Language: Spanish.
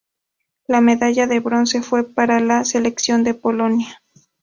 La medalla de bronce fue para la selección de Polonia.